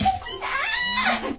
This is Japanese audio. ああ！